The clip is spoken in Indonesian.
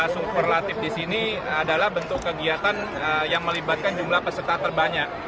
superlatif di sini adalah bentuk kegiatan yang melibatkan jumlah peserta terbanyak